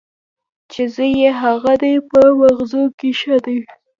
چې زوی یې هغه دی په مغزو کې ښه دی.